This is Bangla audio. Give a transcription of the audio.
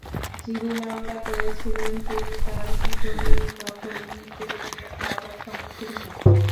যিনি মামলা করেছিলেন তিনি তাঁর জমি দখল নিতে গিয়ে বাধার সম্মুখীন হন।